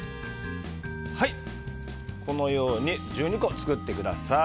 このように１２個作ってください。